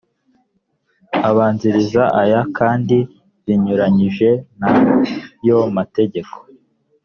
abanziriza aya kandi zinyuranyije na yo mategeko